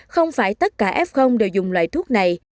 không phải tất cả f đều dùng loại thuốc này